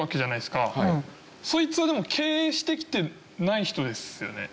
そいつはでも経営してきてない人ですよね？